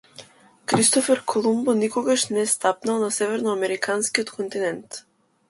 Кристофер Колумбо никогаш не стапнал на северноамериканскиот континент.